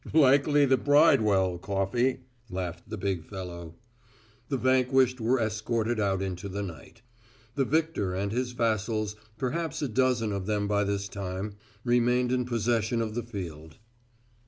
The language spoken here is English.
"Likely the Bridewell, Coffey," laughed the big fellow. The vanquished were escorted out into the night. The victor and his vassals, perhaps a dozen of them by this time, remained in possession of the field.